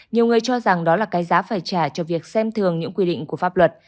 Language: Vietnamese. nhiều người cho rằng đó là cái giá phải trả cho việc xem thường những quy định của pháp luật